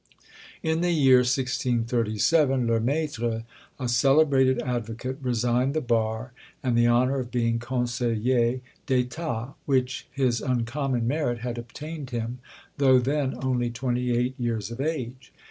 In the year 1637, Le Maitre, a celebrated advocate, resigned the bar, and the honour of being Conseiller d'Etat, which his uncommon merit had obtained him, though then only twenty eight years of age.